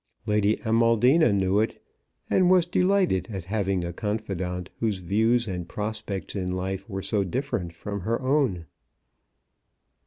Lady Amaldina knew it, and was delighted at having a confidante whose views and prospects in life were so different from her own.